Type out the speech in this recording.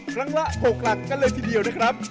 ครั้งละ๖หลักกันเลยทีเดียวนะครับ